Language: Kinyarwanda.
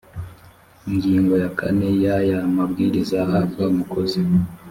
ngingo ya kane y aya mabwiriza ahabwa umukozi